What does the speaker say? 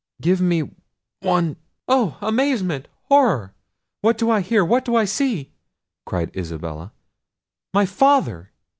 Give me one—" "Oh! amazement! horror! what do I hear! what do I see!" cried Isabella. "My father!